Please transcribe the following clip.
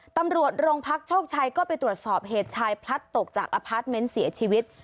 ตำรวจโรงพักโชคชัยก็ไปตรวจสอบเหตุชายพลัดตกจากอพาร์ทเมนต์เสียชีวิต